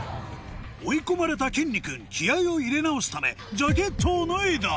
追い込まれたきんに君気合を入れ直すためジャケットを脱いだ！